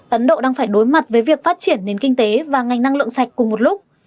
ấn độ đang phải đối mặt với việc phát triển nền kinh tế và ngành năng lượng sạch cùng một lúc